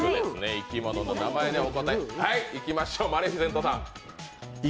生き物の名前でお答えください。